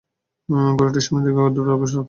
ঘোড়াটি সামনের দিকে দ্রুত অগ্রসর হতে লাগল।